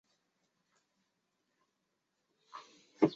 后来才查明是一位女性人肉炸弹实施了爆炸。